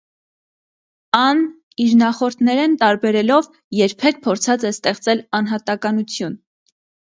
Ան, իր նախորդներէն տարբերելով, երբեք փորձած է ստեղծել անհատականութիւն։